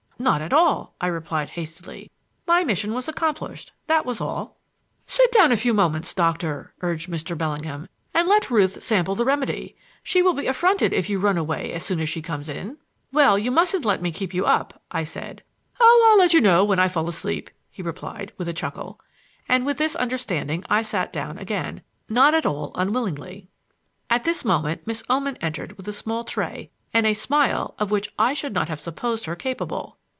"Not at all," I replied hastily. "My mission was accomplished, that was all." "Sit down for a few moments, Doctor," urged Mr. Bellingham, "and let Ruth sample the remedy. She will be affronted if you run away as soon as she comes in." "Well, you mustn't let me keep you up," I said. "Oh, I'll let you know when I fall asleep," he replied, with a chuckle; and with this understanding I sat down again not at all unwillingly. At this moment Miss Oman entered with a small tray and a smile of which I should not have supposed her capable.